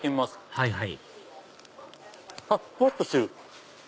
はいはいあっふわっとしてる！